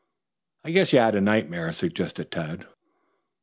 "I guess you had a nightmare," suggested Tad.